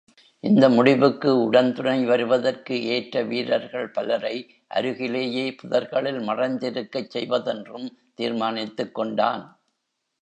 இந்த முடிவுக்கு உடன்துணை வருவதற்கு ஏற்ற வீரர்கள் பலரை அருகிலேயே புதர்களில் மறைந்திருக்கச் செய்வதென்றும் தீர்மானித்துக் கொண்டான்.